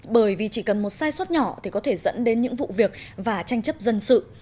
bởi vì chỉ cần một sai suất nhỏ thì có thể dẫn đến những vụ việc và tranh chấp dân sự